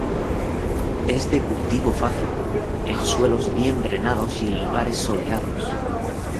Es de cultivo fácil, en suelos bien drenados y en lugares soleados.